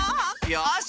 よし！